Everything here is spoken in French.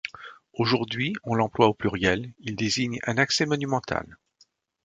Aujourd'hui, on l'emploie au pluriel, il désigne un accès monumental.